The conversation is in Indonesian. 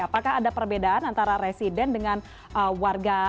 apakah ada perbedaan antara resident dengan warga